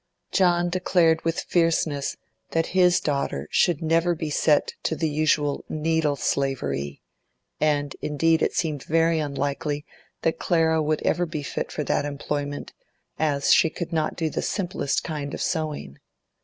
John declared with fierceness that his daughter should never be set to the usual needle slavery, and indeed it seemed very unlikely that Clara would ever be fit for that employment, as she could not do the simplest kind of sewing.